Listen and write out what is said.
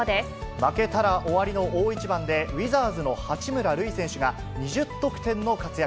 負けたら終わりの大一番で、ウィザーズの八村塁選手が、２０得点の活躍。